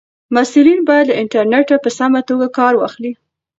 محصلین باید له انټرنیټه په سمه توګه کار واخلي.